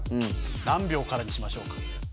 何秒からにしましょうか？